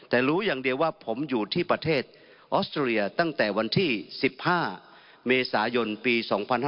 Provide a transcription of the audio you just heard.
แต่รู้อย่างเดียวว่าผมอยู่ที่ประเทศออสเตรเลียตั้งแต่วันที่๑๕เมษายนปี๒๕๕๙